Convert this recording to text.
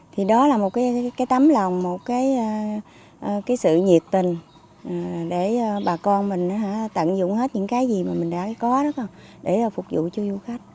thì đó là một cái tấm lòng một cái sự nhiệt tình để bà con mình tận dụng hết những cái gì mà mình đã có để phục vụ cho du khách